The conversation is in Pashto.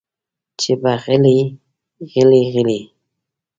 چې به غلې غلې غلې